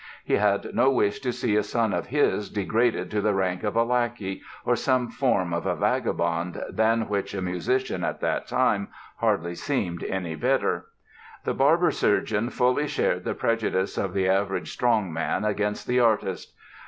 He had no wish to see a son of his degraded to the rank of a lackey or some form of vagabond, than which a musician at that time hardly seemed any better. The barber surgeon fully shared the prejudice of the average "strong man" against the artist.